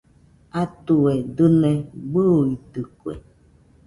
Atue dɨne bɨidɨkue